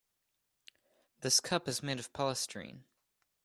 This cup is made of polystyrene.